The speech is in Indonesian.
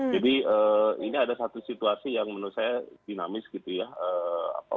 jadi ini ada satu situasi yang menurut saya dinamis gitu ya